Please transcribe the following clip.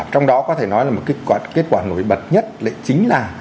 trong đó có thể nói là một cái kết quả nổi bật nhất lại chính là